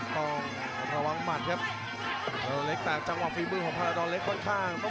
ครับเสริมความแข็งความแข็งความแกร่งขึ้นมาแล้วก็พยายามจะเล็กหาฐานล่างครับ